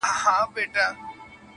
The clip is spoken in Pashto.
زمانه که دي په رایه نه ځي خیر دی.